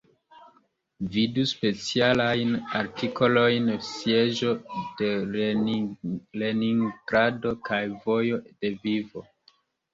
Vidu specialajn artikolojn: Sieĝo de Leningrado kaj Vojo de Vivo.